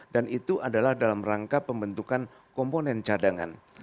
dan itu adalah dalam rangka pembentukan komponen cadangan